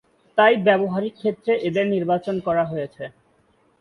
তাই ব্যবহারিক ক্ষেত্রে এদের নির্বাচন করা হয়েছে।